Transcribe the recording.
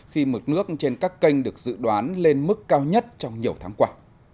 khi mực nước trên các kênh được dự đoán lên mức cao nhất trong nhiều tháng qua